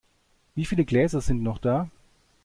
Wieviele Gläser sind noch da?